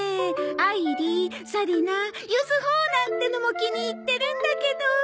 「あいり」「さりな」「ゆずほ」なんてのも気に入ってるんだけど。